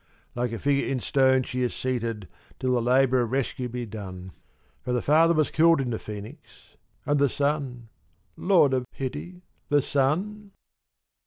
Like a figure in stone she is seated till the labour of rescue be done. For the father was killed in the Phoenix, and the son Lord of pity! the son?